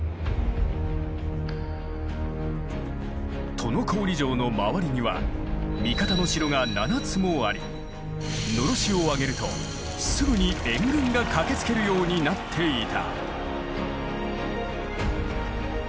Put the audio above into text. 都於郡城の周りには味方の城が７つもありのろしを上げるとすぐに援軍が駆けつけるようになっていた。